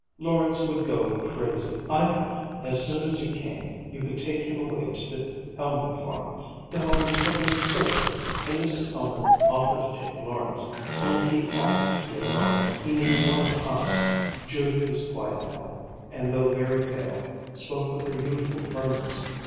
Lawrence would go crazy. I thought, as soon as you came, you could take him away to the Helman farm the Helmans have been so good and Mrs. Helman offered to take Lawrence only he oughtn't to be alone he needs one of us " Judith was quiet now, and though very pale, spoke with her usual firmness.